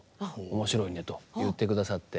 面白いね」と言ってくださって。